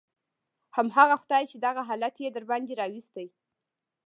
همغه خداى چې دغه حالت يې درباندې راوستى.